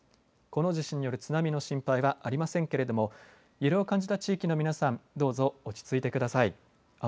この地震による津波の心配はありませんけれども揺れを感じた地域の皆さんどうぞ落ち着いてください。